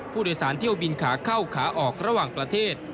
ผู้โดยสารเที่ยวบินขาเข้าขาออกระหว่างประเทศ